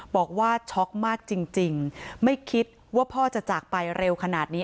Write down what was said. บอกว่าช็อกมากจริงไม่คิดว่าพ่อจะจากไปเร็วขนาดนี้